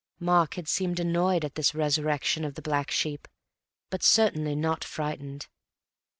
Mark had seemed annoyed at this resurrection of the black sheep, but certainly not frightened.